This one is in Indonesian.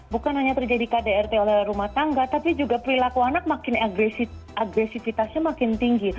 bukan hanya terjadi kdrt oleh rumah tangga tapi juga perilaku anak makin agresifitasnya makin tinggi